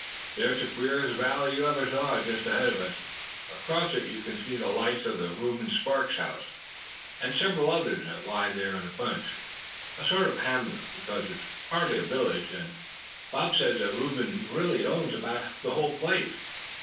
There's the queerest valley you ever saw just ahead of us. Across it you can see the lights of Reuben Sparks' house, and several others that lie there in a bunch, a sort of hamlet, because it's hardly a village. And Bob says that Reuben really owns about the whole place.